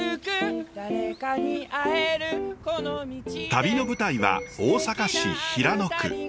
旅の舞台は大阪市平野区。